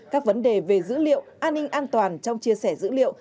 các vấn đề về dữ liệu an ninh an toàn trong chia sẻ dữ liệu